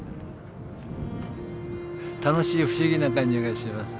楽しい不思議な感じがします。